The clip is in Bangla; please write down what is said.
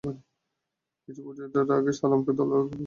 কিছু বুঝে ওঠার আগেই তারা সালামকে ধারালো অস্ত্র দিয়ে কোপাতে থাকে।